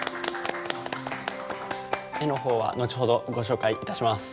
絵の方は後ほどご紹介いたします。